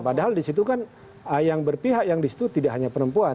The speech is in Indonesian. padahal di situ kan yang berpihak yang di situ tidak hanya perempuan